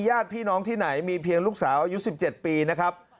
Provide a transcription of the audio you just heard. แต่ตอนนี้ติดต่อน้องไม่ได้